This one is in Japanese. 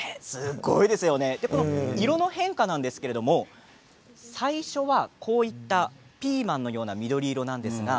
色の変化なんですけれど最初はこういったピーマンのような緑色なんです。